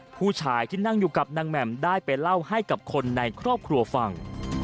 ผู้ชายที่นั่งอยู่กับนางแหม่มได้ไปเล่าให้กับคนในครอบครัวฟัง